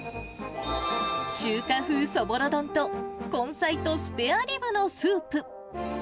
中華風そぼろ丼と根菜とスペアリブのスープ。